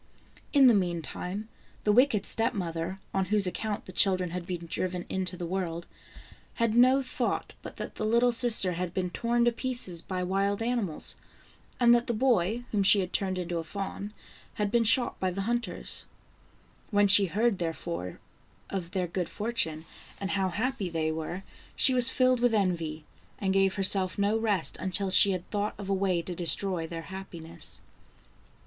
In the meantime, the wicked step mother, on whose account the children had been driven into the world, had no thought 206 THE ENCHANTED FA WN. THE ENCHANTED FA IVN. but that the little sister had been torn to pieces by wild animals, and that the boy, whom she had turned into a fawn, had been shot by the hunters. When she heard, therefore, of their good fortune, and how happy they were, she was filled with envy, and gave herself no rest until she had thought of a way to destroy their happiness.